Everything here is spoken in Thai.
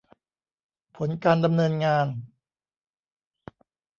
ผลการดำเนินงาน